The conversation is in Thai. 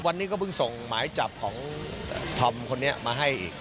วันนี้ก็เพิ่งส่งหมายจับของธอมคนนี้มาให้อีก